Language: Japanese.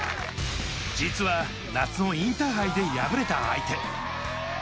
実は夏のインターハイで敗れた相手。